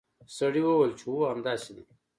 سړي وویل چې هو همداسې ده.